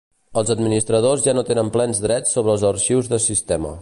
Els administradors ja no tenen plens drets sobre els arxius de sistema.